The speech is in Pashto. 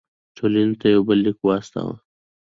ټولنې ته یو بل لیک واستاوه.